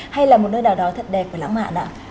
hay là một nơi nào đó thật đẹp và lãng mạn ạ